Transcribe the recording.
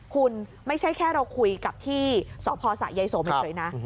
คุณไม่ใช่แค่เราคุยกับที่สพสะยายโสมเฉยนะ